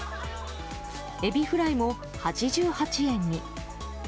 エビフライも８８円に。